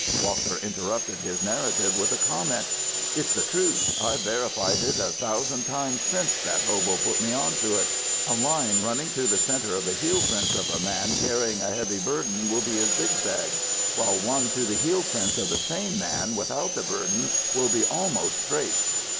'" Walker interrupted his narrative with a comment: "It's the truth I've verified it a thousand times since that hobo put me onto it. A line running through the center of the heel prints of a man carrying a heavy burden will be a zigzag, while one through the heel prints of the same man without the burden will be almost straight.